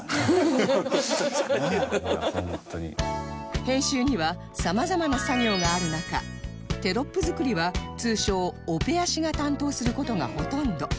編集には様々な作業がある中テロップ作りは通称オペアシが担当する事がほとんど